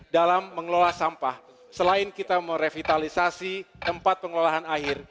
dalam mengelola sampah selain kita merevitalisasi tempat pengelolaan air